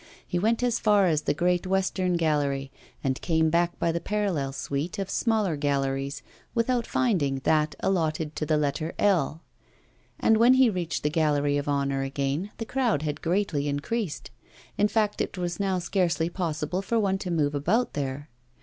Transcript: He went as far as the great western gallery, and came back by the parallel suite of smaller galleries without finding that allotted to the letter L. And when he reached the Gallery of Honour again, the crowd had greatly increased. In fact, it was now scarcely possible for one to move about there.